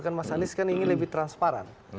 kan mas anies kan ingin lebih transparan